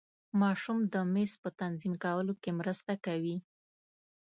ماشوم د میز په تنظیم کولو کې مرسته کوي.